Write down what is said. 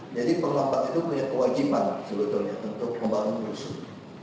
jadi perlambatan itu punya kewajiban sebetulnya untuk membangun rusun